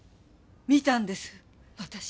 見たんです私。